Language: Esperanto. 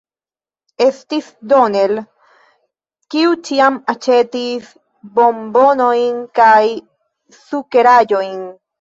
Estis Donel, kiu ĉiam aĉetis bombonojn kaj sukeraĵojn.